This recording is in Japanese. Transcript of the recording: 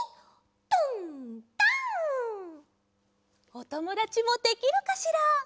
おともだちもできるかしら？